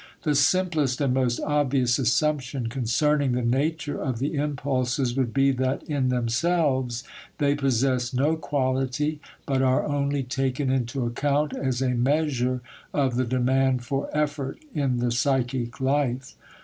The simplest and most obvious assumption concerning the nature of the impulses would be that in themselves they possess no quality but are only taken into account as a measure of the demand for effort in the psychic life.